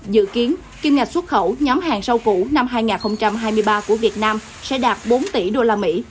dự kiến kim ngạch xuất khẩu nhóm hàng rau củ năm hai nghìn hai mươi ba của việt nam sẽ đạt bốn tỷ đô la mỹ